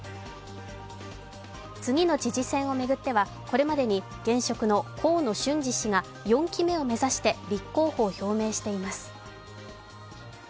次の知事選を巡ってはこれまでに現職の河野俊嗣氏が４期目を目指して立候補を表明しています。